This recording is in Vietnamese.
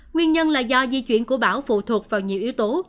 nguyên nhân là do di chuyển của bão phụ thuộc vào nhiều yếu tố